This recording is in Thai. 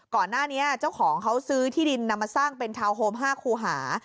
เจ้าของเขาซื้อที่ดินนำมาสร้างเป็นทาวน์โฮม๕คูหา